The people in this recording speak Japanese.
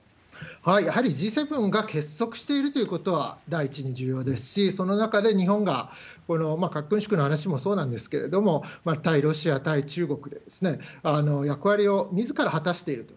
やはりＧ７が結束しているということが第一に重要ですし、その中で日本が、この核軍縮の話もそうなんですけれども、対ロシア、対中国で、役割をみずから果たしていると。